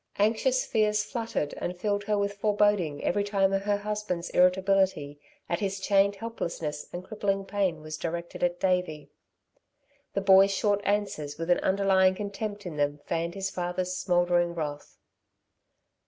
Anxious fears fluttered and filled her with foreboding every time her husband's irritability at his chained helplessness and crippling pain was directed at Davey. The boy's short answers with an underlying contempt in them fanned his father's smouldering wrath.